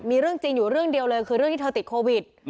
มีเรื่องจริงอยู่เรื่องเดียวเลยคือเรื่องที่เธอติดโควิด